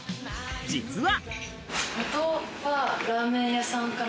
実は。